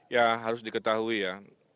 ya harus diketahui ya